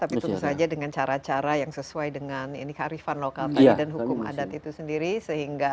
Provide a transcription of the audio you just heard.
tapi itu masih ada tapi tentu saja dengan cara cara yang sesuai dengan ini kearifan lokal dan hukum adat itu sendiri